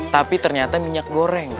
tapi ternyata minyak goreng